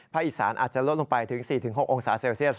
อีสานอาจจะลดลงไปถึง๔๖องศาเซลเซียส